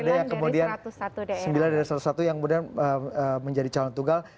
sembilan dari satu ratus satu yang kemudian menjadi calon tunggal